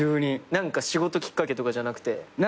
仕事きっかけとかじゃなくて？